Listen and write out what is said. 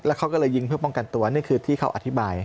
เขาก็เลยยิงเพื่อป้องกันตัวนี่คือที่เขาอธิบาย